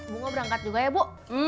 bunga berangkat juga ya bu